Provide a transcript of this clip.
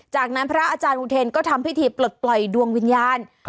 จากนั้นพระอาจารย์อุเทนก็ทำพิธีปลดปล่อยดวงวิญญาณ